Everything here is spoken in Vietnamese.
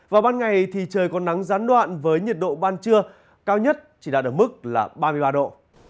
vào ban ngày thì trời còn nắng gián đoạn với nhiệt độ ban trưa cao nhất chỉ đạt được mức ba mươi ba độ